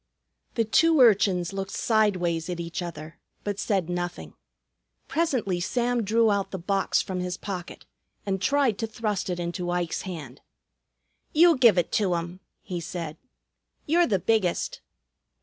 The two urchins looked sideways at each other, but said nothing. Presently Sam drew out the box from his pocket and tried to thrust it into Ike's hand. "You give it to 'um," he said. "You're the biggest."